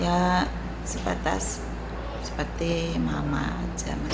ya sebatas seperti mama